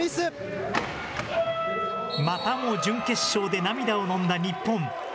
またも準決勝で涙をのんだ日本。